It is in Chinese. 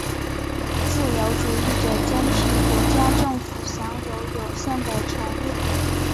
自由主义者坚持国家政府享有有限的权力。